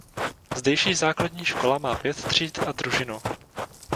Zdejší základní škola má pět tříd a družinu.